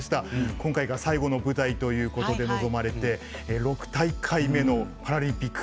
今回が最後の舞台ということで臨まれて、６大会目のパラリンピック。